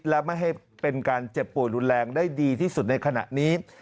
และไม่ให้เป็นการเจ็บป่วยรุนแรงได้ดีที่สุดในขณะนี้